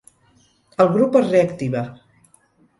El grup es reactiva.